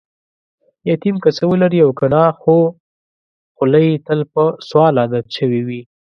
یتیم که څه ولري او کنه، خوخوله یې تل په سوال عادت شوې وي.